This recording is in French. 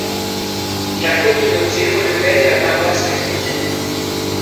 La communauté relevait de la paroisse de l'Isle.